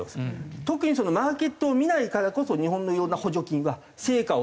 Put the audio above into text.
特にマーケットを見ないからこそ日本のいろんな補助金は成果を出さない。